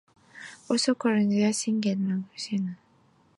Also, Corrosion of Conformity recorded a version for Nativity in Black.